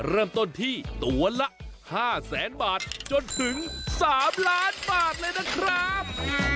เริ่มต้นที่ตัวละ๕แสนบาทจนถึง๓ล้านบาทเลยนะครับ